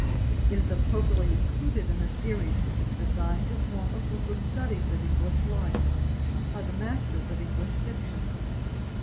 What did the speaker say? It is appropriately included in a series which is designed to form a group of studies of English life by the masters of English fiction.